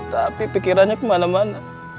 tapi pikirannya kemana mana